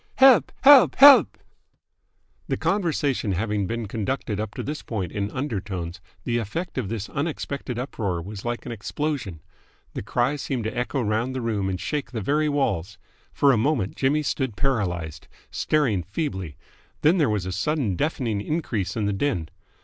"Help! Help! Help!" The conversation having been conducted up to this point in undertones, the effect of this unexpected uproar was like an explosion. The cries seemed to echo round the room and shake the very walls. For a moment Jimmy stood paralysed, staring feebly; then there was a sudden deafening increase in the din.